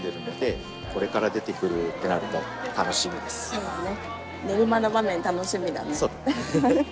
そうだね。